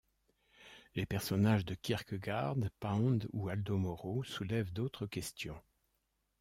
Les personnages de Kierkegaard, Pound ou Aldo Moro, soulèvent d'autres questions.